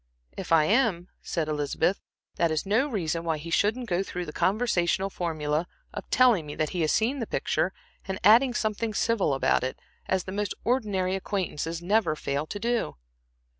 "If I am," said Elizabeth, "that is no reason why he shouldn't go through the conventional formula of telling me that he has seen the picture, and adding something civil about it, as the most ordinary acquaintances never fail to do."